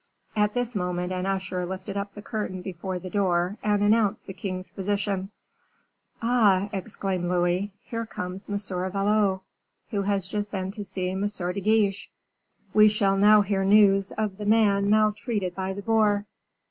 _" At this moment an usher lifted up the curtain before the door, and announced the king's physician. "Ah!" exclaimed Louis, "here comes Monsieur Valot, who has just been to see M. de Guiche. We shall now hear news of the man maltreated by the boar."